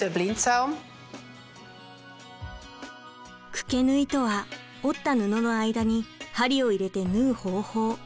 くけ縫いとは折った布の間に針を入れて縫う方法。